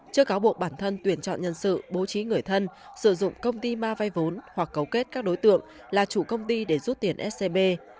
trước cáo buộc bản thân tuyển chọn nhân sự bố trí người thân sử dụng công ty ma vay vốn hoặc cấu kết các đối tượng là chủ công ty để rút tiền scb